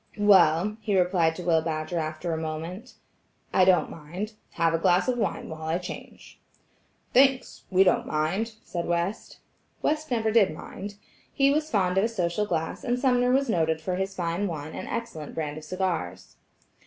"Well," he replied to Will Badger after a moment, "I don't mind. Have a glass of wine while I change." "Thanks–we don't mind," said West. West never did mind. He was fond of a social glass, and Sumner was noted for his fine wine and excellent brand of cigars.